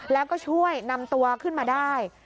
แล้วก็ช่วยนำตัวขึ้นมาได้